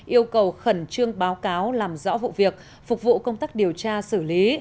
yêu cầu khẩn trương báo cáo làm rõ vụ việc phục vụ công tác điều tra xử lý